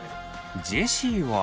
ジェシーは。